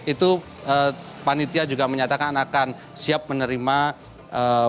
itu panitia juga menyatakan akan siap menerima bantuan